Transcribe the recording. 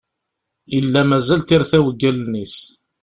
Yella mazal tirtaw deg allen-is.